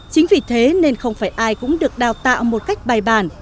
chính vì thế nên không phải ai cũng được đào tạo một cách bài bản